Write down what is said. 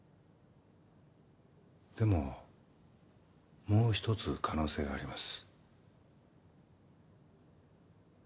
でももう１つ可能性があります。